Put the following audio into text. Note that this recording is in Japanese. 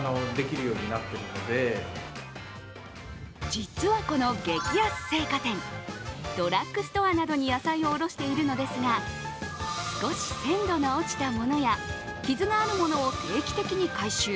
実はこの激安青果店ドラッグストアなどに野菜を卸しているのですが少し鮮度の落ちたものや傷があるものを定期的に回収。